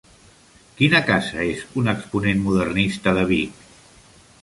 Quina casa és un exponent modernista de Vic?